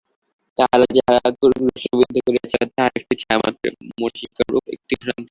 তাহারা যাহা ক্রুশে বিদ্ধ করিয়াছিল, তাহা একটা ছায়ামাত্র, মরীচিকারূপ একটা ভ্রান্তিমাত্র।